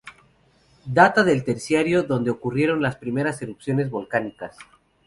Data del terciario, donde ocurrieron las primeras erupciones volcánicas.